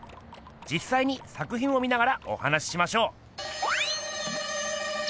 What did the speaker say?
じっさいに作品を見ながらお話ししましょう！